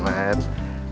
coba ada yang salah ga